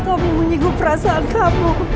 ibu menyigu perasaan kamu